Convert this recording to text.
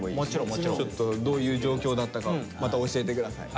ちょっとどういう状況だったかまた教えて下さい。